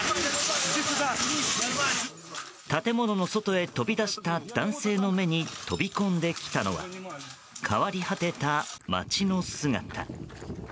建物の外へ飛び出した男性の目に飛び込んできたのは変わり果てた街の姿。